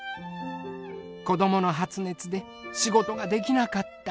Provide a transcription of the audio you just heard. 子どもの発熱で仕事ができなかったり。